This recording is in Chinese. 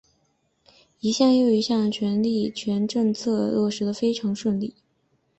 一项又一项的极权政策落实得非常顺利。